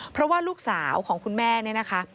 เพราะว่าลูกสาวของคุณแม่เนี่ยนะคะ